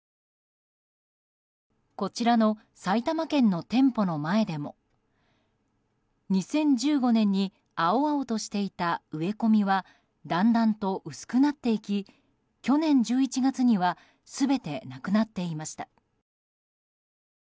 こちらの埼玉県の店舗の前でも２０１５年に青々としていた植え込みはだんだんと薄くなっていき去年１１月には全てなくなっていました。